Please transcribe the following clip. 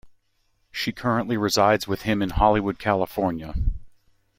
She currently resides with him in Hollywood, California.